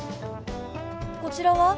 こちらは？